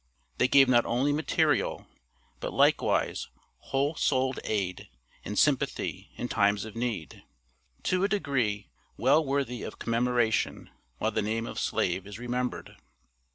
They gave not only material, but likewise whole souled aid and sympathy in times of need, to a degree well worthy of commemoration while the name of slave is remembered.